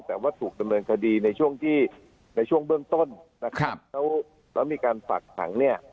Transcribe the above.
แต่ว่าถูกดำเนินคดีในช่วงเบื้องต้นแล้วมีการฝักถังเนี่ย